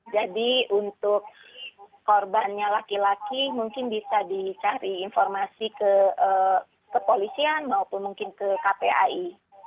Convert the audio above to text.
untuk korbannya laki laki mungkin bisa dicari informasi ke kepolisian maupun mungkin ke kpai